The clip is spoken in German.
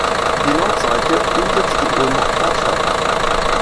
Die Nordseite bildet die Ulmer Vorstadt.